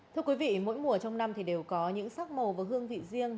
thưa quý vị mỗi mùa trong năm thì đều có những sắc màu và hương vị riêng